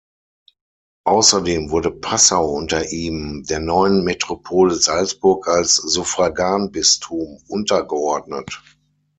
Außerdem wurde Passau unter ihm der neuen Metropole Salzburg als Suffraganbistum untergeordnet.